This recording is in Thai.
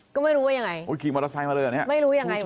ก็ไม่รู้ว่ายังไง